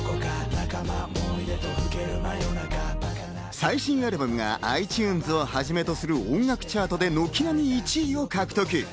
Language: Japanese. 最新アルバムがｉＴｕｎｅｓをはじめとする音楽チャートで軒並み１位を獲得。